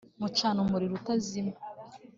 mucana umuriro utazima